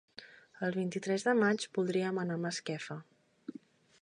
El vint-i-tres de maig voldríem anar a Masquefa.